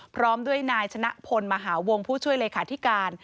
พร้อมด้วยนายชนะพลมหาวงผู้ช่วยเลขาธิการ